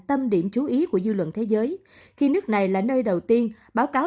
tâm điểm chú ý của dư luận thế giới khi nước này là nơi đầu tiên báo cáo